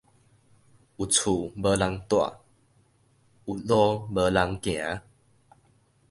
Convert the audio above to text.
有厝無人蹛，有路無人行